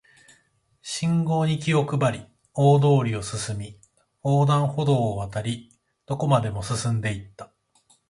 信号に気を配り、大通りを進み、横断歩道を渡り、どこまでも進んで行った